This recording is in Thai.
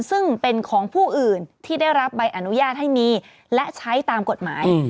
ซึ่งเป็นของผู้อื่นที่ได้รับใบอนุญาตให้มีและใช้ตามกฎหมาย